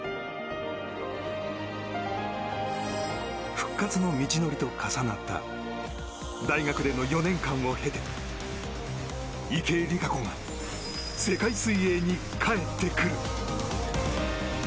復活の道のりと重なった大学での４年間を経て池江璃花子が世界水泳に帰ってくる。